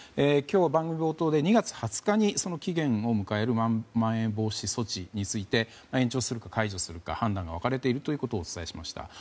今日、番組冒頭で２月２０日に期限を迎えるまん延防止措置について延長するか解除するか判断が分かれていることをお伝えしました。